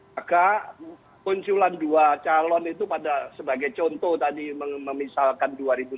maka kunculan dua calon itu pada sebagai contoh tadi memisahkan dua ribu sembilan belas